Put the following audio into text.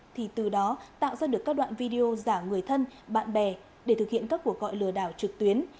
thì từ đó tạo ra được các đoạn video giả người thân bạn bè để thực hiện các cuộc gọi lừa đảo trực tuyến